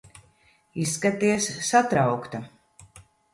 Izskaties satraukta.